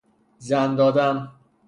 زن دادن